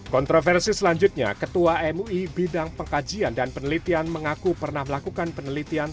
kontroversi selanjutnya ketua mui bidang pengkajian dan penelitian mengaku pernah melakukan penelitian